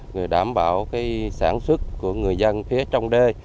rồi đảm bảo sản xuất của người dân phía trong đê